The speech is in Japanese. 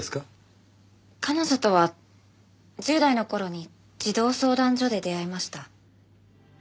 彼女とは１０代の頃に児童相談所で出会いました。